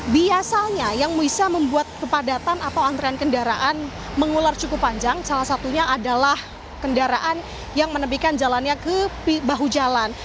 biasanya yang bisa membuat kepadatan atau antrean kendaraan mengular cukup panjang salah satunya adalah kendaraan yang menepikan jalannya ke bahu jalan